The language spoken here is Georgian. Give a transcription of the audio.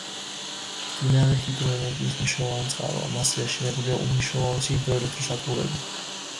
მდინარე ჰიდროენერგიის მნიშვნელოვანი წყაროა, მასზე აშენებულია უმნიშვნელოვანესი ჰიდროელექტროსადგურები.